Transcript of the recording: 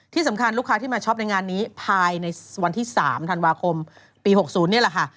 ที่สำคัญลูกค้าที่มาช็อปในงานนี้ภายในวันที่๓ธันวาคมปี๖๐นี่แหละค่ะ